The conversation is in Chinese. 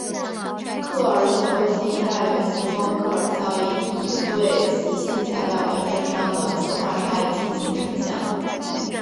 克尔显微镜依赖于磁光克尔效应以对磁性材料表面上的磁化差异进行成像。